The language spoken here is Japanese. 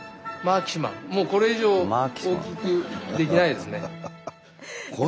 もうこれ以上大きくできないですね。